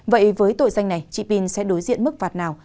vậy với tội danh này chị pin sẽ đối diện mức phạt nào